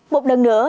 một lần nữa